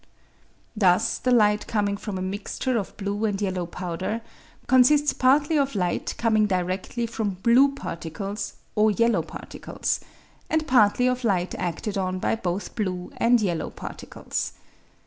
Thus the light coming from a mixture of blue and yellow powder, consists partly of light coming directly from blue particles or yellow particles, and partly of light acted on by both blue and yellow particles.